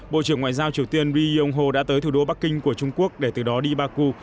bộ trưởng ngoại giao triều tiên ri yong ho đã tới thủ đô bắc kinh của trung quốc để từ đó đi baku